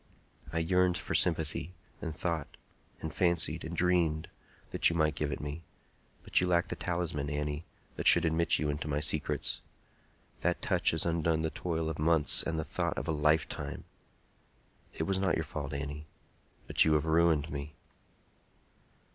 I yearned for sympathy, and thought, and fancied, and dreamed that you might give it me; but you lack the talisman, Annie, that should admit you into my secrets. That touch has undone the toil of months and the thought of a lifetime! It was not your fault, Annie; but you have ruined me!"